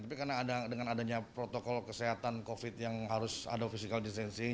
tapi karena dengan adanya protokol kesehatan covid yang harus ada physical distancing